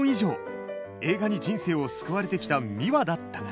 映画に人生を救われてきたミワだったが。